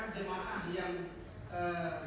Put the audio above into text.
tidak tahu ya cukup